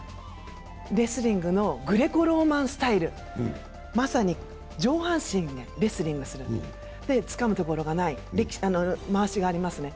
レスリングのグレコローマンスタイル、まさに上半身でレスリングする、つかむところがない、まわしがありますね。